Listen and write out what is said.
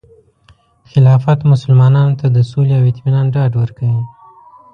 خلافت مسلمانانو ته د سولې او اطمینان ډاډ ورکوي.